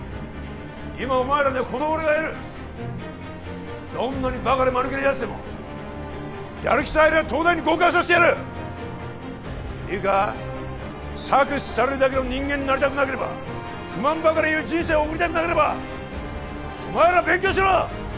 今お前らにはこの俺がいるどんなにバカでマヌケなヤツでもやる気さえありゃ東大に合格させてやるいいか搾取されるだけの人間になりたくなければ不満ばかり言う人生を送りたくなければお前ら勉強しろ！